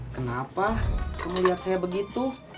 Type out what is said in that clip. kenapa kamu lihat saya begitu